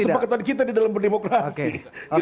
kesepakatan kita di dalam berdemokrasi